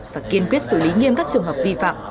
và kiên quyết xử lý nghiêm các trường hợp vi phạm